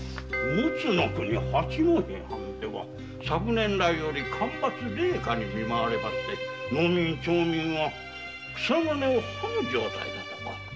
陸奥の国八戸藩では昨年来より干ばつ・冷夏に見舞われ農民・町民は草の根を食む状態だとか。